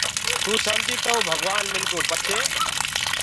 توٚ سمجيٚ تئو ڀگوآن مِلگو پڇي